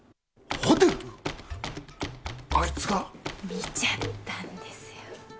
見ちゃったんですよ。